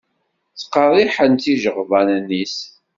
Ttqerriḥen-tt ijeɣdanen-is.